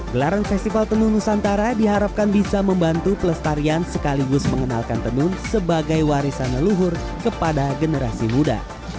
gelaran festival tenun nusantara diharapkan bisa membantu pelestarian sekaligus mengenalkan tenun sebagai warisan leluhur kepada generasi muda